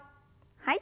はい。